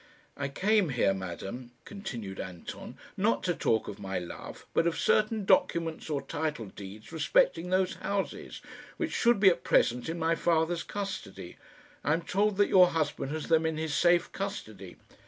"I came here, madame," continued Anton, "not to talk of my love, but of certain documents or title deeds respecting those houses, which should be at present in my father's custody. I am told that your husband has them in his safe custody."